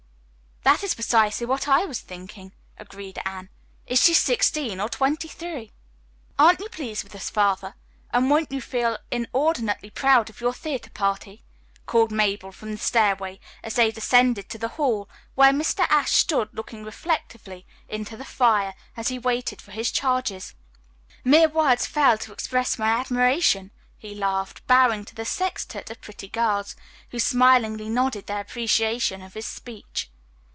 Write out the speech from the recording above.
"That is precisely what I was thinking," agreed Anne. "Is she sixteen or twenty three?" "Aren't you pleased with us, Father, and won't you feel inordinately proud of your theatre party?" called Mabel from the stairway as they descended to the hall, where Mr. Ashe stood looking reflectively into the fire as he waited for his charges. "Mere words fail to express my admiration," he laughed, bowing to the sextette of pretty girls, who smilingly nodded their appreciation of his speech.